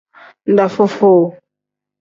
Dafuu-fuu.